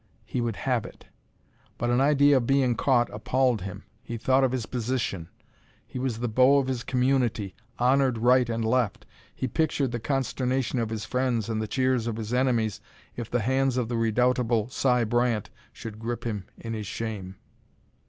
He would have it. But an idea of being caught appalled him. He thought of his position. He was the beau of his community, honored right and left. He pictured the consternation of his friends and the cheers of his enemies if the hands of the redoubtable Si Bryant should grip him in his shame.